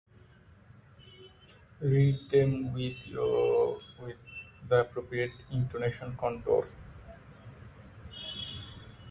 Read them with the appropriate intonation contour.